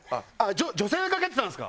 女性が蹴ってたんですか？